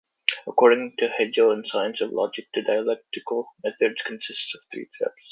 According to Hegel in "Science of Logic", the dialectical methods consists of three steps.